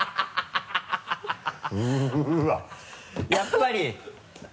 やっぱり。